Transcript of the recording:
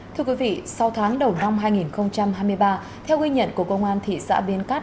thưa quý vị sau tháng đầu năm hai nghìn hai mươi ba theo ghi nhận của công an thị xã bến cát